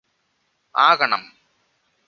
ആകണം